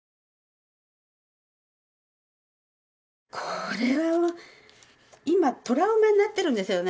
これは今トラウマになっているんですよね